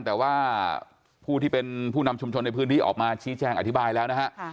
แต่ว่าผู้ที่เป็นผู้นำชุมชนในพื้นที่ออกมาชี้แจงอธิบายแล้วนะฮะ